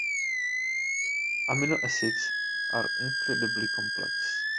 Amino acids are incredibly complex.